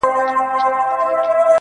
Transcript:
چي مي پېغلوټي د کابل ستایلې.!